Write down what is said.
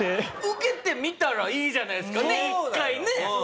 受けてみたらいいじゃないですかねえ一回ね。